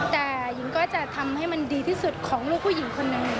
แต่หญิงก็จะทำให้มันดีที่สุดของลูกผู้หญิงคนหนึ่ง